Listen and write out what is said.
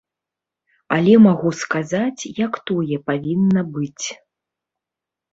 Але магу сказаць, як тое павінна быць.